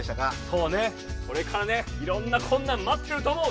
そうねこれからねいろんなこんなんまってると思う。